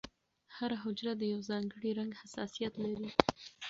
هره حجره د یو ځانګړي رنګ حساسیت لري.